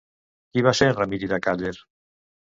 Qui va ser Rarimi de Càller?